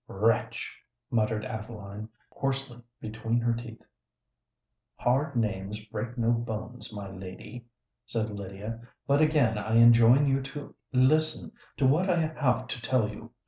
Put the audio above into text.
"Wretch!" muttered Adeline, hoarsely between her teeth. "Hard names break no bones, my lady," said Lydia. "But again I enjoin you to listen to what I have to tell you.